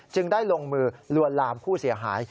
ได้ลงมือลวนลามผู้เสียหาย